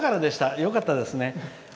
よかったですね。